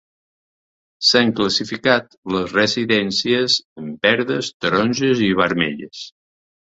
S'han classificat les residències en verdes, taronges i vermelles.